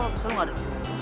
bisa lu gak ada